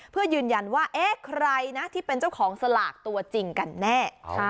เพื่อยืนยันว่าเอ๊ะใครนะที่เป็นเจ้าของสลากตัวจริงกันแน่